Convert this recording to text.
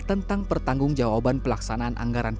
tentang pertanggung jawaban pelaksanaan anggaran